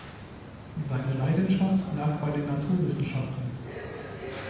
Seine Leidenschaft lag bei den Naturwissenschaften.